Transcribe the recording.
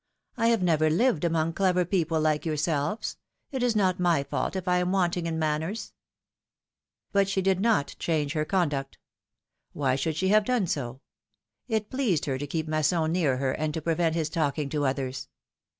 I have never lived among clever people like yourselves ; it is not my fault if I am wanting in manners !" But she did not change her conduct. Why should she have done so ? It pleased her to keep Masson near her and to prevent his talking to others.